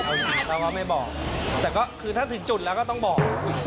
เพราะว่าไม่บอกแต่ก็คือถ้าถึงจุดแล้วก็ต้องบอก